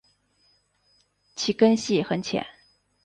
其根系很浅。